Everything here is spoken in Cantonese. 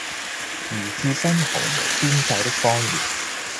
如置身毫無邊際的荒原，